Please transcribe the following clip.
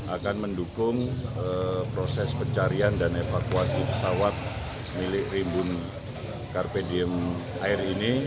akan mendukung proses pencarian dan evakuasi pesawat milik rimbun carpedium air ini